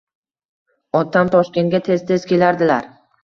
Otam Toshkentga tez-tez kelardilar